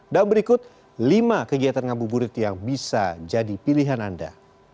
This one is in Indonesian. dan berikut lima kegiatan ngabuburit yang bisa jadi pilihan anda